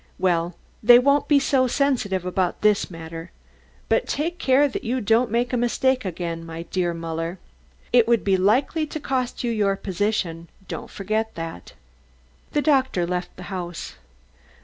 Well, they won't be so sensitive about this matter, but take care that you don't make a mistake again, my dear Muller. It would be likely to cost you your position, don't forget that." The doctor left the house.